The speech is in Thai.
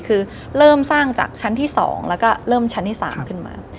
คือเริ่มสร้างจากชั้นที่๒แล้วก็เริ่มชั้นที่๓ขึ้นมา